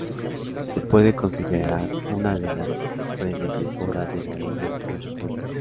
Se puede considerar una de las predecesoras de Bohemian Rhapsody.